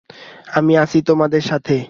আমি আছি তোমার সাথে।